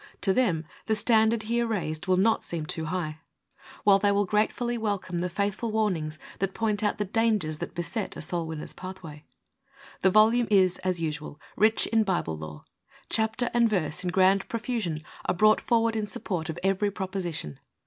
To them the standard here raised will rot seem too high, while they will VI PREFACE. gratefully welcome the faithful warnings that point out the dangers that beset a soul winner's pathway. The volume is, as usual, rich in Bible lore. Chapter and verse in grand pro fusion are brought forward in support of every proposition.